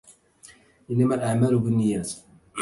انما الاعمال بالنيات.